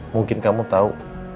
mungkin kamu tau